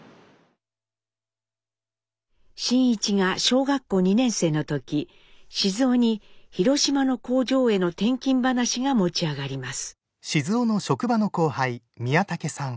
真一が小学校２年生の時雄に広島の工場への転勤話が持ち上がります。